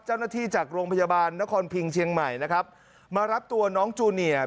จากโรงพยาบาลนครพิงเชียงใหม่นะครับมารับตัวน้องจูเนียร์